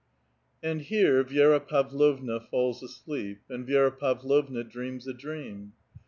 And here Vi^ra Pavlovna falls asleep, and Vi^ra Pavlovna dreams a dream.